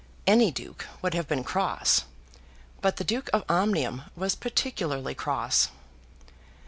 Any duke would have been cross, but the Duke of Omnium was particularly cross.